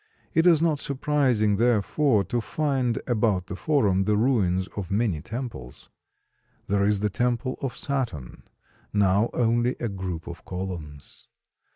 It is not surprising, therefore, to find about the Forum the ruins of many temples. There is the temple of Saturn, now only a group of columns.